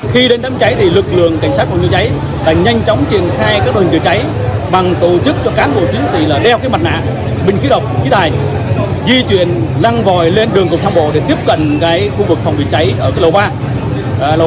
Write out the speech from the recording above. khi đến đám cháy thì lực lượng cảnh sát phòng cháy đã nhanh chóng triển khai các đội chữa cháy bằng tổ chức cho cán bộ chiến sĩ là đeo mặt nạ bình khí độc khí tài di chuyển lăng vòi lên đường cục thang bộ để tiếp cận khu vực phòng bị cháy ở lầu ba